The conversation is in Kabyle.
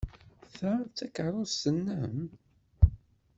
Ta d takeṛṛust-nnem?